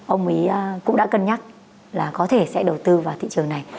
ông ý cũng đã cân nhắc là có thể sẽ đầu tư vào thị trường này